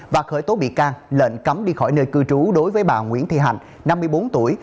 và khởi tố bị can lệnh cấm đi khỏi nơi cư trú đối với bà nguyễn thi hành năm mươi bốn tuổi